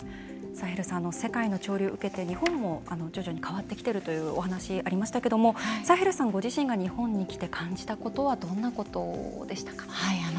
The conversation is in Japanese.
サヘルさん世界の潮流を受けて日本も徐々に変わってきているというお話がありましたがサヘルさんご自身が日本に来て感じたことはどんなことでしたか。